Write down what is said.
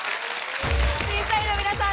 ⁉審査員の皆さん